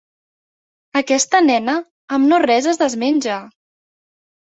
Aquesta nena amb no res es desmenja.